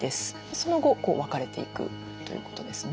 その後こう分かれていくということですね。